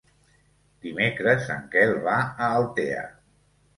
Dimecres en Quel va a Altea.